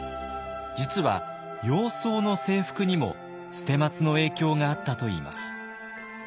実は洋装の制服にも捨松の影響があったといいます。